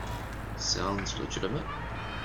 Sounds legitimate.